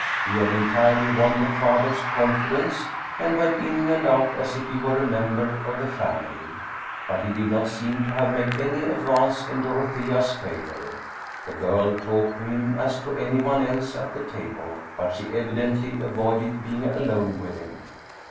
He had entirely won the father's confidence, and went in and out as if he were a member of the family. But he did 19 German Mystery Stories not seem to have made any advance in Dorothea's favor. The girl talked to him as to anyone else at the table, but she evidently avoided being alone with him.